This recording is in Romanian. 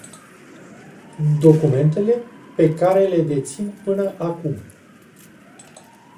Documentele pe care le dețin până acum...